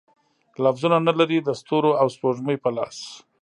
لفظونه، نه لري د ستورو او سپوږمۍ په لاس